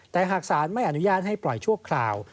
แต่หากศาลไม่อนุญาตให้ปล่อยชั่วคราว